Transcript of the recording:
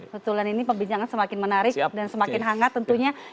betulan ini pembincangan semakin menarik dan semakin hangat tentunya